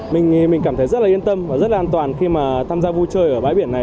mình cảm thấy rất là yên tâm và rất là an toàn khi mà tham gia vui chơi ở bãi biển này